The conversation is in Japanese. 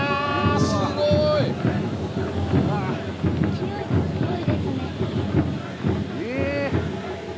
すごい！勢いがすごいですね。